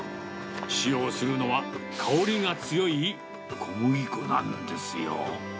使用するのは、香りが強い小麦粉なんですよ。